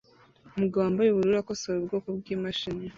Umugabo wambaye ubururu akosora ubwoko bwimashini